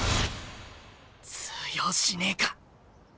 通用しねえか。